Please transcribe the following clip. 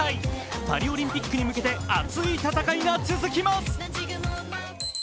パリオリンピックに向けて熱い戦いが続きます。